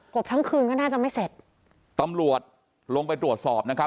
บทั้งคืนก็น่าจะไม่เสร็จตำรวจลงไปตรวจสอบนะครับ